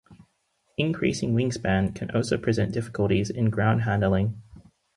Increasing wingspan can also present difficulties in ground handling.